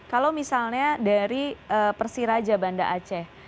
kalau misalnya dari persiraja banda aceh